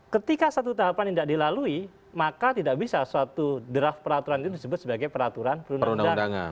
ketika satu tahapan tidak dilalui maka tidak bisa suatu draft peraturan itu disebut sebagai peraturan perundang undangan